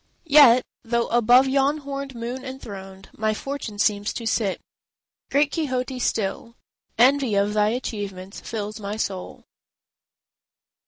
Yet—though above yon horned moon enthroned My fortune seems to sit—great Quixote, still Envy of thy achievements fills my soul.